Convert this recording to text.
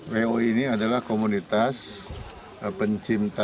wo ini adalah komunitas pencipta